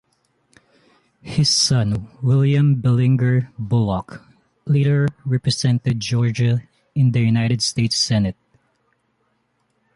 His son William Bellinger Bulloch later represented Georgia in the United States Senate.